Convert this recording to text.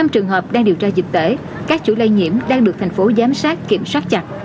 một mươi trường hợp đang điều tra dịch tễ các chủ lây nhiễm đang được thành phố giám sát kiểm soát chặt